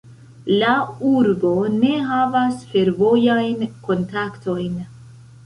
La urbo ne havas fervojajn kontaktojn.